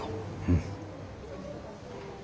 うん。